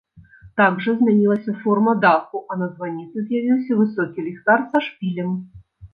Так жа змянілася форма даху, а на званіцы з'явіўся высокі ліхтар са шпілем.